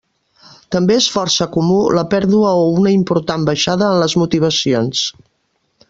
També és força comú la pèrdua o una important baixada en les motivacions.